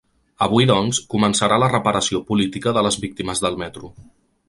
Avui, doncs, començarà la reparació política de les víctimes del metro.